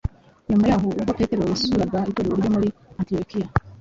Nyuma y’aho, ubwo Petero yasuraga Itorero ryo muri Antiyokiya,